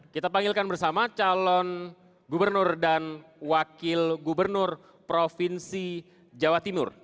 kita panggilkan bersama calon gubernur dan wakil gubernur provinsi jawa timur